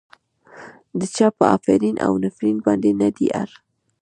د چا په افرین او نفرين باندې نه دی اړ.